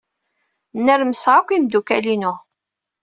Nermseɣ akk imeddukal-inu.